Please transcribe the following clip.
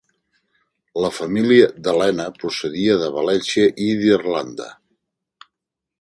La família d'Elena procedia de València i d'Irlanda.